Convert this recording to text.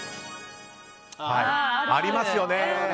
ありますよね。